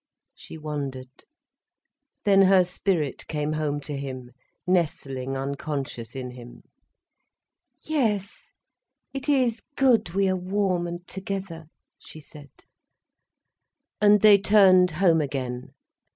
She wondered. Then her spirit came home to him, nestling unconscious in him. "Yes, it is good we are warm and together," she said. And they turned home again.